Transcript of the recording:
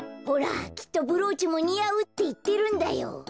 ほらきっとブローチもにあうっていってるんだよ。